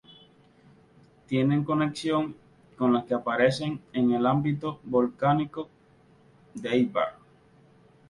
Tienen conexión con las que aparecen en el ámbito volcánico de Éibar.